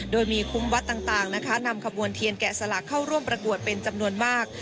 โดยมีคุ้มวัดต่างนะคะนำขบวนเทียนแกะสลักเข้าร่วมประกวดเป็นจำนวนมาก